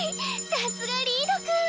さすがリードくん！